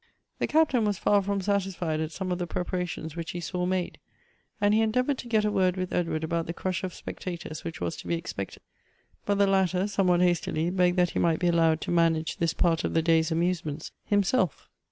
The Captain was far from satisfied at some of the preparations which he saw made ; and he endeavored to get a word with Edward about the crush of spectators which was to be expected. But the latter, somewhat hastily; begged that he might be allowed to manage this part of tlie day's amusements himself.